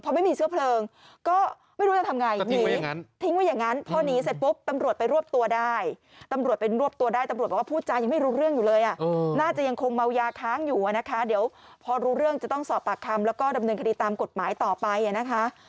พอไม่มีเชื้อเพลิงก็ไม่รู้จะทำอย่างไรนี่คือทิ้งไว้อย่างนั้น